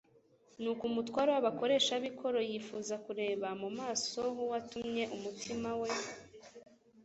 Nuko umutware w'abakoresha b'ikoro, yifuza kureba mu maso h'uwatumye umutima we